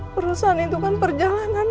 perusahaan itu kan perjalanan